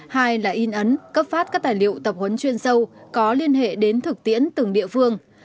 hai là in ấn cấp phát các tài liệu tập huấn chuyên sâu có liên hệ đến thực tiễn từng địa phương